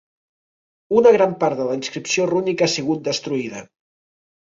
Una gran part de la inscripció rúnica ha sigut destruïda.